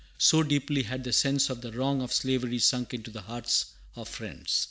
So deeply had the sense of the wrong of slavery sunk into the hearts of Friends!